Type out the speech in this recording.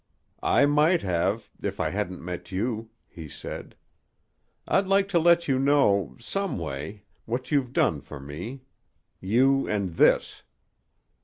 "I might have if I hadn't met you," he said. "I'd like to let you know some way what you've done for me. You and this."